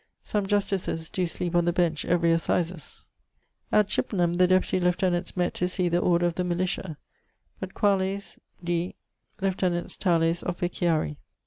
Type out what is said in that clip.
Some justices doe sleepe on the bench every assizes. At Chippenham the Deputye Lieutenants mett to see the order of the militia, but quales D: Lieutenants tales officiarii.